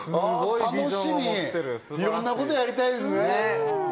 いろんなことやりたいんですね。